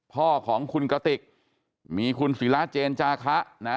พ่อของคุณกติกมีคุณศิราเจนจาคะนะ